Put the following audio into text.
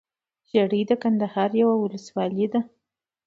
ژړۍ دکندهار يٶه ولسوالې ده